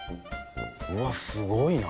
うわっすごいな！